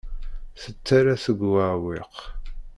Tettarra-tt deg uɛewwiq.